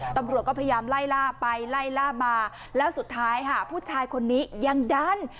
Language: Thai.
ตำรวจก็พยายามไล่ล่าไปไล่ล่ามาแล้วสุดท้ายค่ะผู้ชายคนนี้ยังดัน